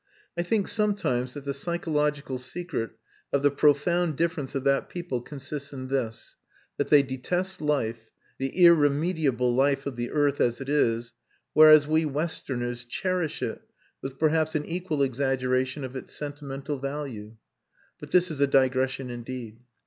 I think sometimes that the psychological secret of the profound difference of that people consists in this, that they detest life, the irremediable life of the earth as it is, whereas we westerners cherish it with perhaps an equal exaggeration of its sentimental value. But this is a digression indeed....